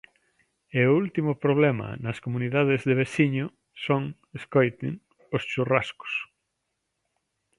E o último problema nas comunidades de veciño son, escoiten, os churrascos.